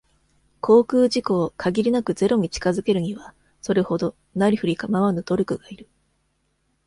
航空事故を、限りなくゼロに近づけるには、それほど、なり振りかまわぬ努力がいる。